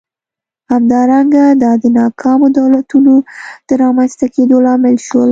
همدارنګه دا د ناکامو دولتونو د رامنځته کېدو لامل شول.